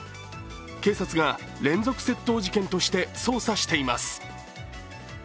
警察が連続窃盗事件として捜査しています。